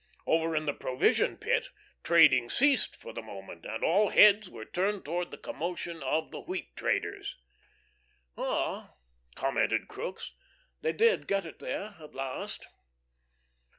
Over in the provision pit, trading ceased for the moment, and all heads were turned towards the commotion of the wheat traders. "Ah," commented Crookes, "they did get it there at last."